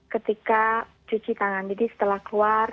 ketika cuci tangan jadi setelah keluar